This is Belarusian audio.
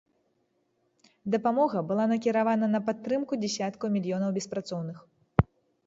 Дапамога была накіравана на падтрымку дзясяткаў мільёнаў беспрацоўных.